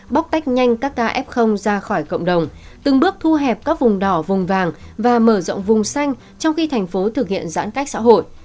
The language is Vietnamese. bóc tách nhanh các ca f ra khỏi cộng đồng từng bước thu hẹp các vùng đỏ vùng vàng và mở rộng vùng xanh trong khi thành phố thực hiện giãn cách xã hội